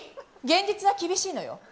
現実は厳しいのよ。